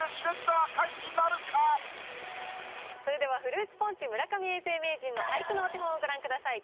それではフルーツポンチ村上永世名人の俳句のお手本をご覧ください。